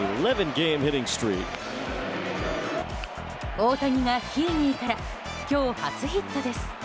大谷がヒーニーから今日、初ヒットです。